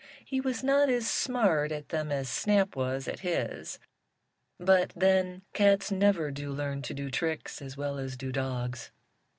He was not as smart at them as Snap was at his, but then cats never do learn to do tricks as well as do dogs.